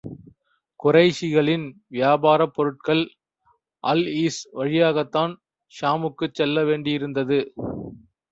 குறைஷிகளின் வியாபாரப் பொருட்கள், அல் ஈஸ் வழியாகத்தான் ஷாமுக்குச் செல்ல வேண்டியிருந்தது.